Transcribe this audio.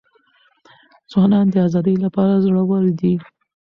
ځوانان د آزادۍ لپاره زړه ور دي.